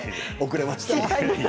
遅れました。